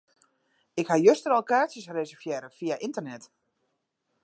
Ik ha juster al kaartsjes reservearre fia ynternet.